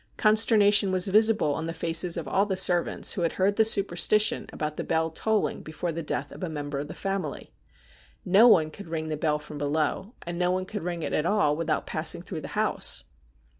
Consternation was visible on the faces of all the servants who had heard the superstition about the bell tolling before the death of a mem ber of the family. No one could ring the bell from below, and no one could ring it at all without passing through the house.